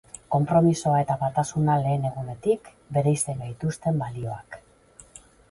Konpromisoa eta batasuna lehen egunetik, bereizten gaituzten balioak.